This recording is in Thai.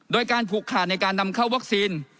โดยการผูกขาดในการนำเข้าวัคซีน